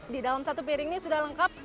di dalam satu piring ini sudah lengkap